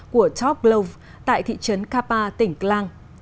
của top glove tại thị trấn kapa tỉnh klang